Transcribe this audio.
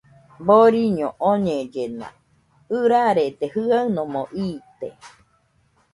Boriño oñellena, ɨrarede jɨanomo iite..